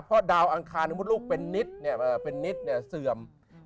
เพราะดาวน์อังคารโมดลูกเป็นนิดเป็นนิดเสื่อม